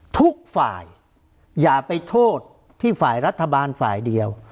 ทุกฝ่ายอย่าไปโทษที่ฝ่ายรัฐบาลฝ่ายเดียว